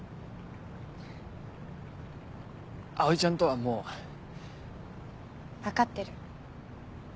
葵ちゃんとはもう。分かってる。